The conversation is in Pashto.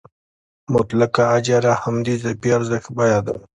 مطلقه اجاره هم د اضافي ارزښت بیه ده